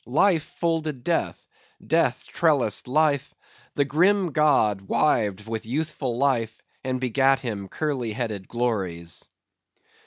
Life folded Death; Death trellised Life; the grim god wived with youthful Life, and begat him curly headed glories.